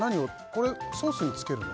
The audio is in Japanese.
これソースにつけるの？